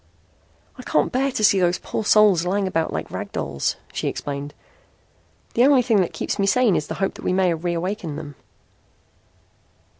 "I can't bear to see those poor souls lying about like rag dolls," she explained. "The only thing that keeps me sane is the hope that we may reawaken them."